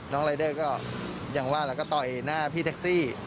รายเดอร์ก็อย่างว่าแล้วก็ต่อยหน้าพี่แท็กซี่